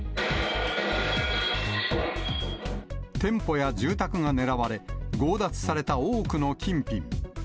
店舗や住宅が狙われ、強奪された多くの金品。